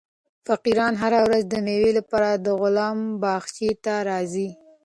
فقیران هره ورځ د مېوې لپاره د غلام باغچې ته راځي.